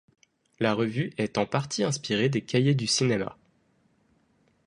La revue est en partie inspirée des Cahiers du cinéma.